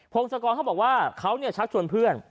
งศกรเขาบอกว่าเขาชักชวนเพื่อน